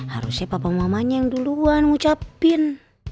harusnya papa mamanya yang duluan ngucapin